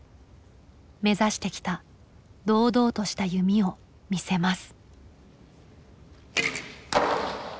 目指してきた「堂々とした弓」を見せます。